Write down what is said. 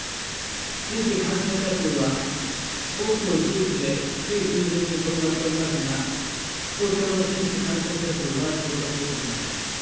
新規感染者数は、多くの地域で低い水準にとどまっておりますが、東京の新規感染者数は増加傾向にあります。